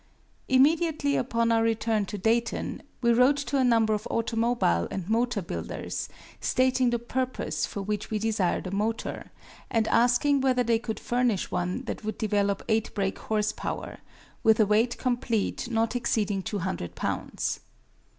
Immediately upon our return to Dayton, we wrote to a number of automobile and motor builders, stating the purpose for which we desired a motor, and asking whether they could furnish one that would develop eight brake horsepower, with a weight complete not exceeding 200 pounds.